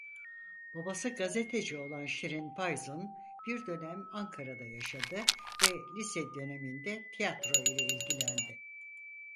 Babası gazeteci olan Şirin Payzın bir dönem Ankara'da yaşadı ve lise döneminde tiyatro ile ilgilendi.